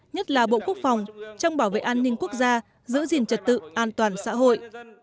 nhất là bộ quốc phòng trong bảo vệ an ninh quốc gia giữ gìn trật tự an toàn xã hội